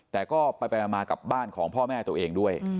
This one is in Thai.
แต่ก็ไปมากับบ้านของพ่อแม่ตัวเองด้วย